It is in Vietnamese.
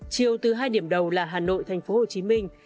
chiều từ hai điểm đầu là hà nội thành phố hồ chí minh